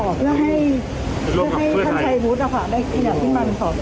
แล้วให้แล้วให้ท่านชายพุทธอะค่ะได้ที่นัดพิมันส่อส่องอะค่ะ